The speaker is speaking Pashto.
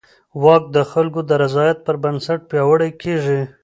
واک د خلکو د رضایت پر بنسټ پیاوړی کېږي.